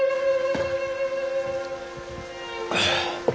ああ。